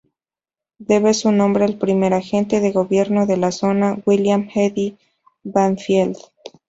Debe su nombre al primer agente de gobierno de la zona, "William Eddy Banfield".